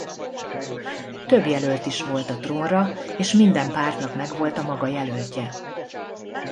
Több jelölt is volt a trónra és minden pártnak megvolt a maga jelöltje.